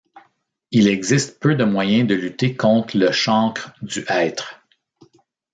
Il existe peu de moyens de lutter contre le chancre du hêtre.